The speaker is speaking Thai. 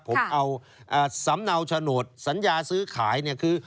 ผมเอาสำเนาโฉนดสัญญาซื้อขายเนี่ยคือ